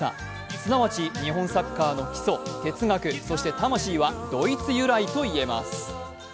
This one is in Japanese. すなわち日本サッカーの基礎、哲学、そして魂はドイツ由来と言えます。